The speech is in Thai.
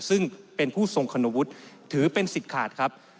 ซึ่งเป็นผู้ทรงคุณวุฒิถือเป็นสิทธิ์ขาดครับ